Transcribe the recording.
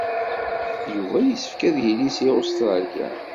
Yuba yessefk ad yili seg Ustṛalya.